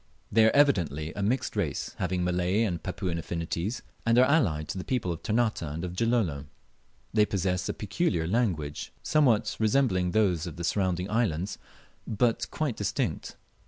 They are evidently a mixed race, having Malay and Papuan affinities, and are allied to the peoples of Ternate and of Gilolo. They possess a peculiar language, somewhat resembling those of the surrounding islands, but quite distinct.